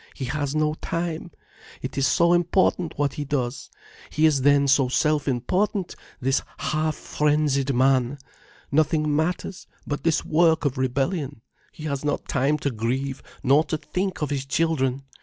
"He has no time. It is so important, what he does! He is then so self important, this half frenzied man! Nothing matters, but this work of rebellion! He has not time to grieve, nor to think of his children!